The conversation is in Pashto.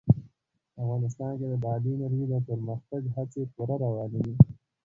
افغانستان کې د بادي انرژي د پرمختګ هڅې پوره روانې دي.